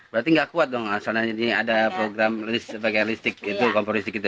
berarti nggak kuat dong soalnya ini ada program listrik kompor listrik itu